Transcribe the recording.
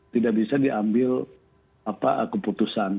tidak bisa diambil keputusan